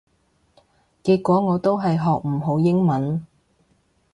結果我都係學唔好英文